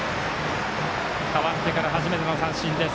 代わってから初めての三振です。